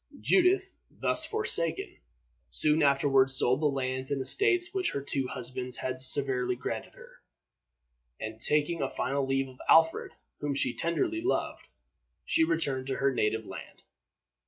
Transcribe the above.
Judith, thus forsaken, soon afterward sold the lands and estates which her two husbands had severally granted her, and, taking a final leave of Alfred, whom she tenderly loved, she returned to her native land.